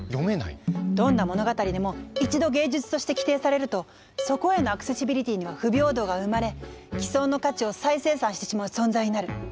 どんな物語でも一度芸術として規定されるとそこへのアクセシビリティには不平等が生まれ既存の価値を再生産してしまう存在になる。